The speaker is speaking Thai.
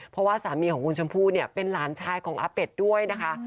เพราะว่าสามีของคุณชมพู่เนี่ยเป็นหลานชายของอาเป็ดด้วยนะคะ